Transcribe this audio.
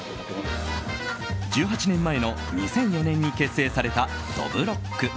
１８年前の２００４年に結成されたどぶろっく。